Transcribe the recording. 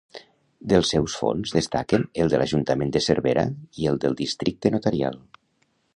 Dels seus fons destaquen el de l'Ajuntament de Cervera i el del Districte Notarial.